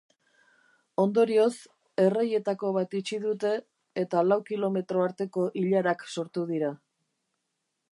Ondorioz, erreietako bat itxi dute eta lau kilometro arteko ilarak sortu dira.